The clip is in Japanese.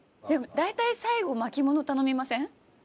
でも大体最後巻物頼みません？